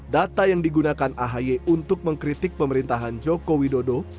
data yang digunakan ahy untuk mengkritik pemerintahan jokowi dodo